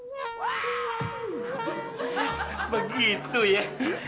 hahaha begitu ya